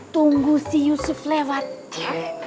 tunggu si yusuf lewat c